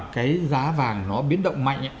cái giá vàng nó biến động mạnh